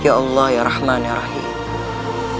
ya allah ya rahman ya rahim